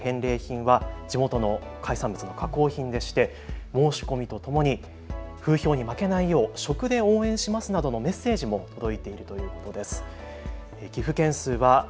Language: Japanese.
特に人気が高い返礼品は地元の海産物の加工品でして申し込みとともに風評に負けないよう食で応援しますなどのメッセージも届いているということです。